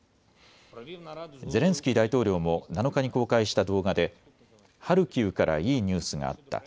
ゼレンスキー大統領も７日に公開した動画でハルキウからいいニュースがあった。